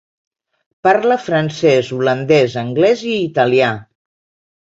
Parla francès, holandès, anglès i italià.